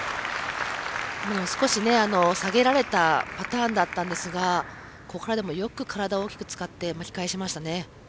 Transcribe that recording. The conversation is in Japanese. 少し下げられたパターンだったんですがここからよく体を大きく使って巻き返しましたね。